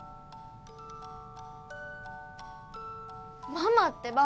ママってば。